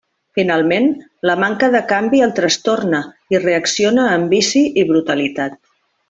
Finalment, la manca de canvi el trastorna i reacciona amb vici i brutalitat.